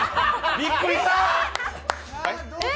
びっくりした！